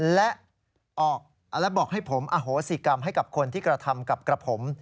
และบอกให้ผมอโหสิกรรมให้กับคนที่กระทำกับกระผม